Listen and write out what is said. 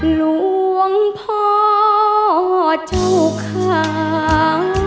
หลวงพ่อเจ้าค้าง